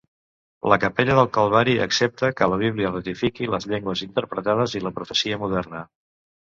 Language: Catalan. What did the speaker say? La capella del Calvari accepta que la Bíblia ratifiqui les llengües interpretades i la profecia moderna.